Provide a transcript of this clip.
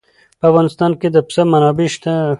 په افغانستان کې د پسه منابع شته.